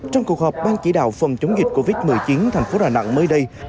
trong cuộc họp ban chỉ đạo phòng chống dịch covid một mươi chín thành phố đà nẵng mới đây